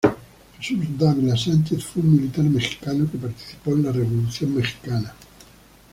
Jesús Dávila Sánchez fue un militar mexicano que participó en la Revolución mexicana.